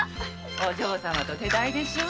お嬢様と手代でしょ。